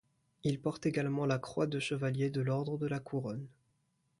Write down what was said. Il porte également la Croix de chevalier de l'Ordre de la Couronne.